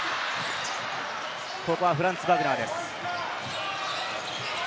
ここはフランツ・バグナーです。